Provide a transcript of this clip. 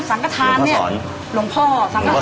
สังฆาธารหลวงพ่อสังฆาธาร